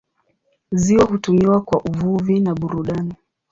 Ziwa hutumiwa kwa uvuvi na burudani.